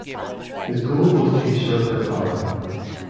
His goal was to usurp her power.